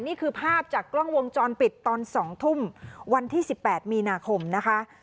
นี่คือภาพจากกล้องวงจรปิดตอน๒ทุ่มวันที่๑๘มีนาคมนะคะ